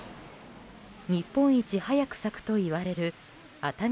日本一早く咲くといわれるあたみ